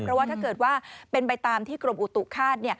เพราะว่าถ้าเกิดว่าเป็นไปตามที่กรมอุตุคาด